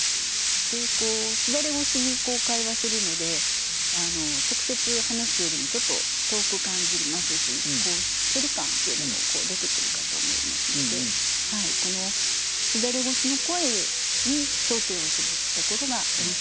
簾越しに会話するので直接話すよりもちょっと遠く感じますし距離感というのも出てくるかと思いますのでこの簾越しの声に焦点を絞ったところが面白いと思います。